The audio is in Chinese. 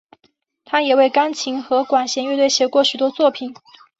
他也为钢琴和管弦乐队写过许多作品。